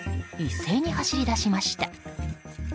一斉に走り出しました。